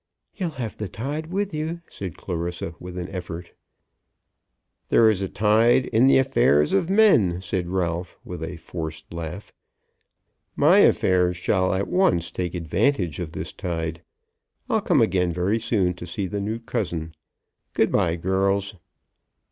"You'll have the tide with you," said Clarissa, with an effort. "There is a tide in the affairs of men," said Ralph, with a forced laugh. "My affairs shall at once take advantage of this tide. I'll come again very soon to see the new cousin. Good bye, girls."